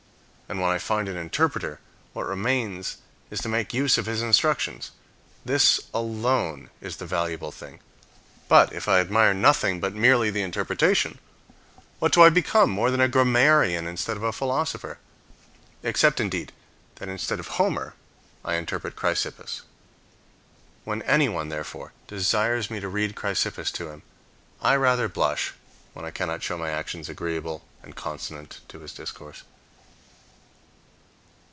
And when I find an interpreter, what remains is to make use of his instructions. This alone is the valuable thing. But, if I admire nothing but merely the interpretation, what do I become more than a grammarian instead of a philosopher? Except, indeed, that instead of Homer I interpret Chrysippus. When anyone, therefore, desires me to read Chrysippus to him, I rather blush when I cannot show my actions agreeable and consonant to his discourse.